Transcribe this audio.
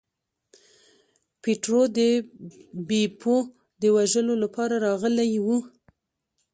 پیټرو د بیپو د وژلو لپاره راغلی و.